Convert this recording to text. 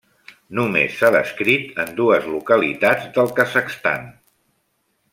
Només s'ha descrit en dues localitats del Kazakhstan.